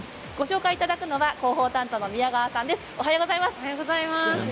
ご紹介いただくのは広報担当の宮川さんです。